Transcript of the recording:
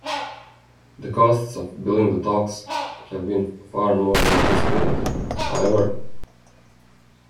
The costs of building the docks had been far more than anticipated, however.